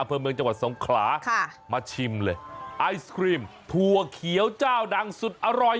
อำเภอเมืองจังหวัดสงขลาค่ะมาชิมเลยไอศครีมถั่วเขียวเจ้าดังสุดอร่อย